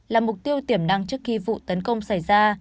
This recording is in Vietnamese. là mục tiêu tiềm năng trước khi vụ tấn công xảy ra